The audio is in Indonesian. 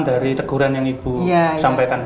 dari teguran yang ibu sampaikan